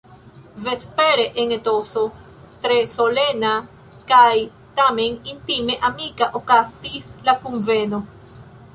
Vespere en etoso tre solena kaj tamen intime amika okazis la kunveno.